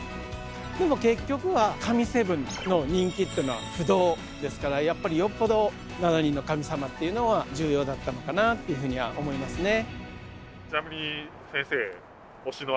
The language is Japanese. でも結局は神７の人気というのは不動ですからやっぱりよっぽど７人の神様っていうのは重要だったのかなっていうふうには思いますね。